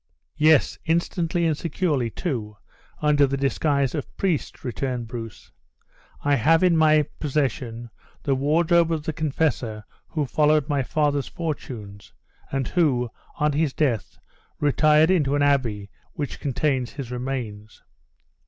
"Yes, instantly, and securely, too, under the disguise of priests!" returned Bruce. "I have in my possession the wardrobe of the confessor who followed my father's fortunes, and who, on his death, retired into the abbey which contains his remains."